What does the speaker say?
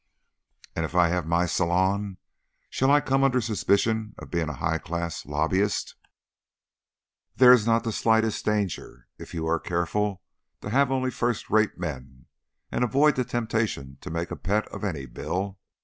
"And if I have my salon, shall I come under suspicion of being a high class lobbyist?" "There is not the slightest danger if you are careful to have only first rate men, and avoid the temptation to make a pet of any bill.